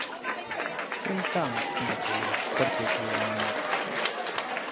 Я і сам, некалі, цярпець яе не мог.